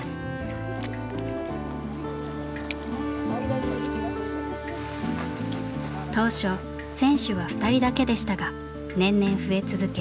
選手たちには当初選手は２人だけでしたが年々増え続け